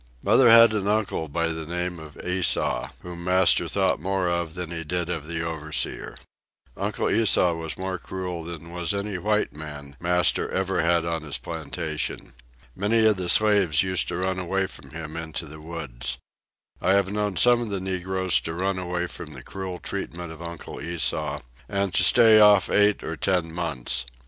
Mother had an uncle by the name of Esau, whom master thought more of than he did of the overseer. Uncle Esau was more cruel than was any white man master ever had on his plantation. Many of the slaves used to run away from him into the woods. I have known some of the negroes to run away from the cruel treatment of Uncle Esau, and to stay off eight or ten months.